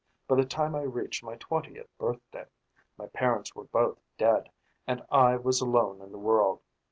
"By the time I reached my twentieth birthday, my parents were both dead and I was alone in the world.